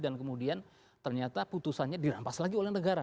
dan kemudian ternyata putusannya dirampas lagi oleh negara